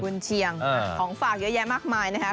เชียงของฝากเยอะแยะมากมายนะครับ